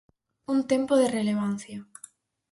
Un tempo de relevancia.